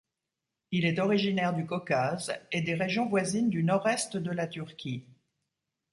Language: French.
Il est originaire du Caucase et des régions voisines du nord-est de la Turquie.